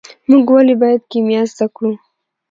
موږ ولې باید کیمیا زده کړو.